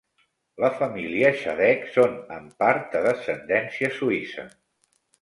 La família Shadegg són en part de descendència suïssa.